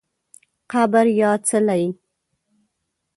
قبر یا څلی